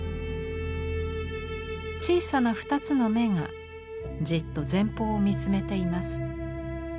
小さな２つの眼がじっと前方を見つめています。